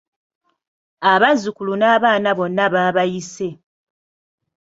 Abazzukulu n’abaana bonna baabayise.